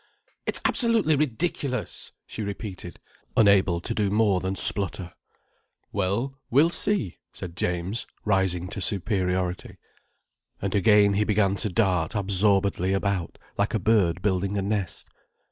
"It's absolutely ridiculous!" she repeated, unable to do more than splutter. "Well, we'll see," said James, rising to superiority. And again he began to dart absorbedly about, like a bird building a nest.